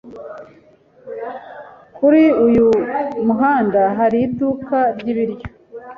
Kuri uyu muhanda hari iduka ryibiryo.